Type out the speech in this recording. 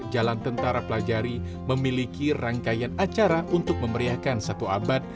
jalan tentara pelajari memiliki rangkaian acara untuk memeriahkan satu abad